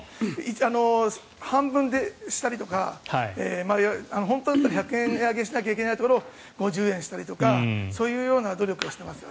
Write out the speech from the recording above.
半分したりとか本当だったら１００円値上げしなきゃいけないところを５０円したりとかそういうような努力はしてます。